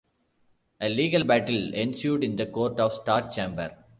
A legal battle ensued in the Court of Star Chamber.